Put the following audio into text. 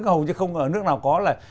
hầu như không ở nước nào có là